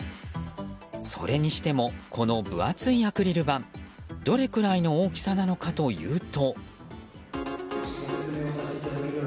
それにしてもこの分厚いアクリル板どれくらいの大きさなのかというと。